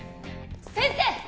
先生！